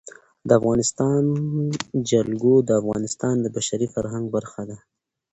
د افغانستان جلکو د افغانستان د بشري فرهنګ برخه ده.